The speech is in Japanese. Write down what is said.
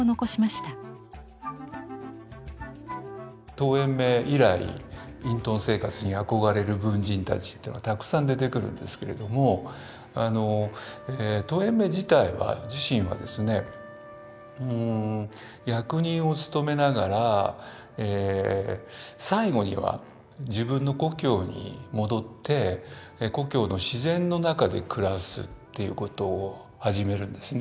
陶淵明以来隠遁生活に憧れる文人たちというのがたくさん出てくるんですけれども陶淵明自体は自身はですね役人を務めながら最後には自分の故郷に戻って故郷の自然の中で暮らすということを始めるんですね。